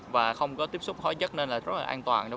và không có tiếp xúc hóa chất nên là rất là an toàn